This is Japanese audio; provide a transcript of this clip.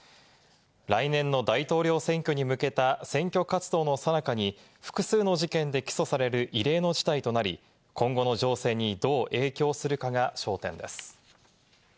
来年の大統領選挙に向けた選挙活動のさなかに複数の事件で起訴される異例の事態となり、今後の情勢にどう影響するかが、焦点です。